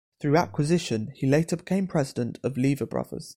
Through acquisition, he later became president of Lever Brothers.